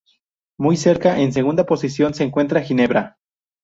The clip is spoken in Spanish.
Muy cerca, en segunda posición, se encuentra Ginebra.